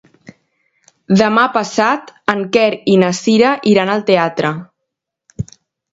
Demà passat en Quer i na Cira iran al teatre.